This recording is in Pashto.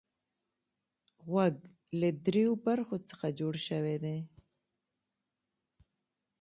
غوږ له دریو برخو څخه جوړ شوی دی.